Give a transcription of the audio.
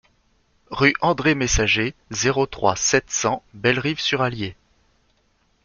Rue Andre Messager, zéro trois, sept cents Bellerive-sur-Allier